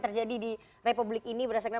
terjadi di republik ini berdasarkan